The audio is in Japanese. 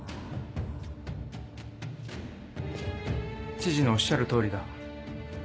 知事のおっしゃる通りだ。